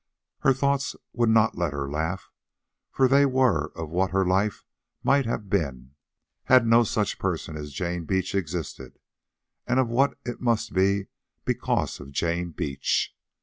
Her thoughts would not let her laugh, for they were of what her life might have been had no such person as Jane Beach existed, and of what it must be because of Jane Beach.